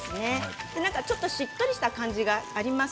ちょっと、しっとりした感じがあります。